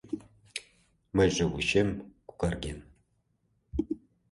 Мыйже вучем когарген.